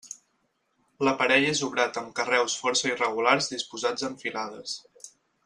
L'aparell és obrat amb carreus força irregulars disposats en filades.